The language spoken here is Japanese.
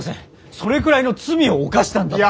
それくらいの罪を犯したんだと。